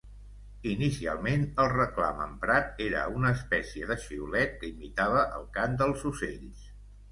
Inicialment, el reclam emprat era una espècie de xiulet que imitava el cant dels ocells.